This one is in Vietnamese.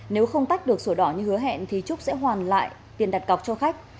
nếu không tách được sổ đỏ như hứa hẹn thì trúc sẽ hoàn lại tiền đặt cọc cho khách